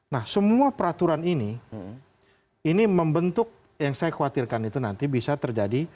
nah semua peraturan ini ini membentuk yang saya khawatirkan itu nanti bisa terjadi